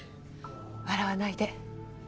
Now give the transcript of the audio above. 笑わないで。